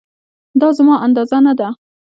دا زما اندازه نه ده